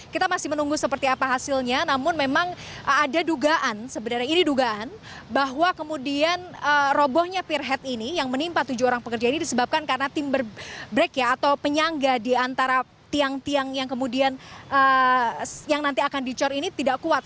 kita masih menunggu seperti apa hasilnya namun memang ada dugaan sebenarnya ini dugaan bahwa kemudian robohnya peer head ini yang menimpa tujuh orang pekerja ini disebabkan karena timber break ya atau penyangga di antara tiang tiang yang kemudian yang nanti akan dicor ini tidak kuat